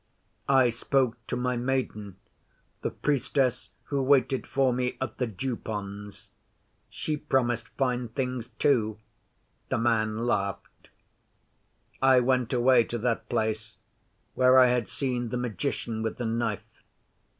I spoke to my Maiden, the Priestess who waited for me at the Dew ponds. She promised fine things too.' The man laughed. 'I went away to that place where I had seen the magician with the knife.